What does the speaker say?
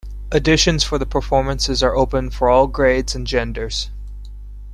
Auditions for the performances are open for all grades and genders.